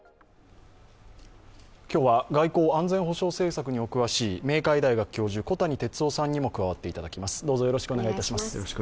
今日は外交・安全保障政策にお詳しい明海大学教授、小谷哲男さんにも加わっていただきます。